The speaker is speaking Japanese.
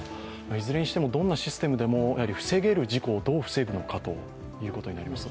いずれにしてもどんなシステムでも防げる事故をどう防ぐのかということになります。